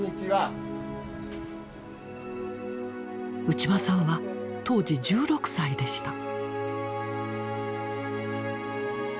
内間さんは当時１６歳でした。